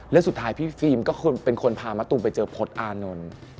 แล้วสุดท้ายพี่ฟิล์มก็เป็นคนพามะตูมไปเจอพจน์อานนท์